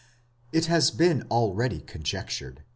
It has been already conjectured?